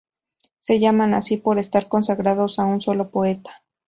Se llaman así por estar consagrados a un solo poeta.